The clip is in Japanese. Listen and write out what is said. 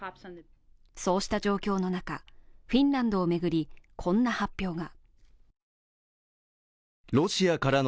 そうした状況の中、フィンランドを巡り、こんな発表が。